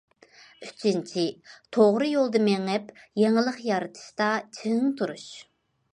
ئۈچىنچى، توغرا يولدا مېڭىپ يېڭىلىق يارىتىشتا چىڭ تۇرۇش.